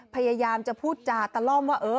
พยายามจะพูดจาตะล่อมว่า